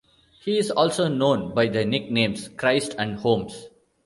He is also known by the nicknames "Christ" and "Holmes".